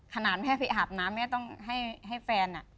ขนาดแม่ไปอาบน้ำแม่ต้องให้แฟน